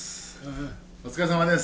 お疲れさまです。